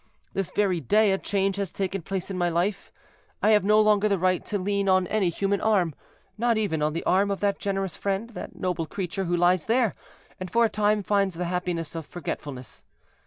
This very day a change has taken place in my life; I have no longer the right to lean on any human arm—not even on the arm of that generous friend, that noble creature, who lies there, and for a time finds the happiness of forgetfulness.